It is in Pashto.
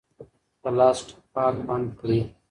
د لاس ټپ پاک بند کړئ.